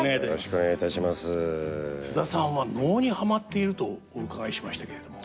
津田さんは能にはまっているとお伺いしましたけれども。